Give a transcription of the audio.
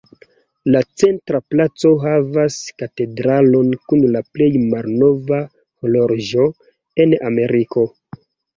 La centra placo havas katedralon kun la plej malnova horloĝo en Ameriko.